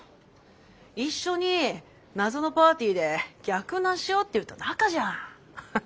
一緒に謎のパーティーで逆ナンしようって言った仲じゃん。